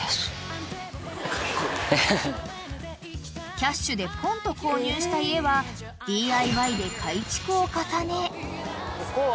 ［キャッシュでポンッと購入した家はＤＩＹで改築を重ね］